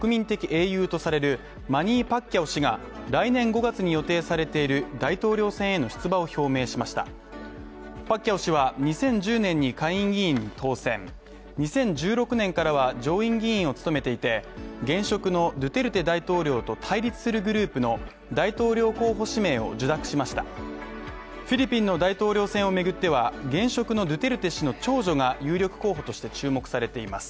マニー・パッキャオ氏が来年５月に予定されている大統領選への出馬を表明しましたパッキャオ氏は２０１０年に下院議員に当選２０１６年からは上院議員を務めていて現職のドゥテルテ大統領と対立するグループの大統領候補指名を受諾しましたフィリピンの大統領選をめぐっては現職のドゥテルテ氏の長女が有力候補として注目されています